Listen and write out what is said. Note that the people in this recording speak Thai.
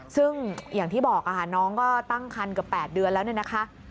ซึ่งอย่างที่บอกค่ะน้องก็ตั้งคันเกือบ๘เดือนแล้วเนี่ยนะคะ